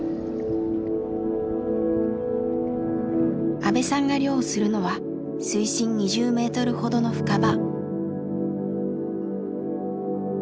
阿部さんが漁をするのは水深２０メートルほどの深場。